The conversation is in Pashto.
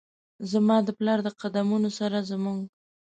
زما د پلار د قد مونو سره زموږ،